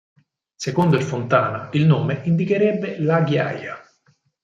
Secondo il Fontana il nome indicherebbe la ghiaia.